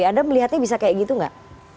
anda melihatnya bisa kayak gitu nggak